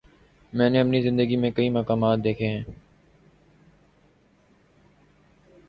میں نے اپنی زندگی میں کئی مقامات دیکھے ہیں۔